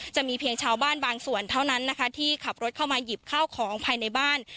จะมีเพียงชาวบ้านบางส่วนเท่านั้นนะคะที่ขับรถเข้ามาหยิบข้าวของภายในบ้าน